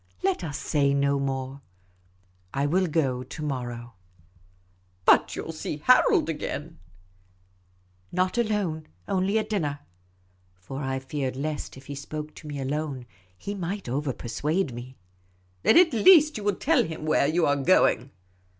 Let us say no more. I will go to morrow." " But you will see Harold again ?" The Supercilious Attache 6i " Not alone. Only at dinner." For I feared lest, if he spoke to me alone, he might over persuade me. " Then at least you will tell him where you are going